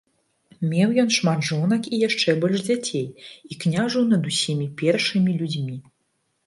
Меў ён шмат жонак і яшчэ больш дзяцей і княжыў над усімі першымі людзьмі.